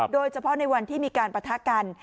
โดยเฉพาะในวันที่มีการปะทะกัน